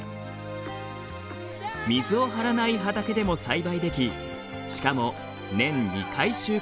水を張らない畑でも栽培できしかも年２回収穫できます。